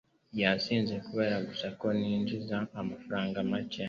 Yansize kubera gusa ko ninjiza amafaranga make.